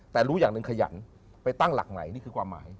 แต่รู้อย่างหนึ่งขยันไปตั้งหลักใหม่นี่คือความหมาย